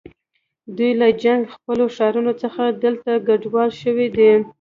دوی له جنګ ځپلو ښارونو څخه دلته کډوال شوي دي.